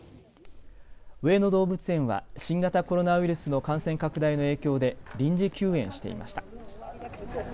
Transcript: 上野動物園は新型コロナウイルスの感染拡大の影響で臨時休園していました。